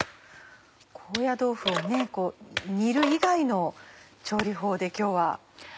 高野豆腐を煮る以外の調理法で今日は。